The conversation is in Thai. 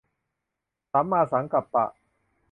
สัมมาสังกัปปะ